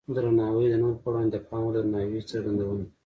درناوی د نورو په وړاندې د پام وړ درناوي څرګندونه ده.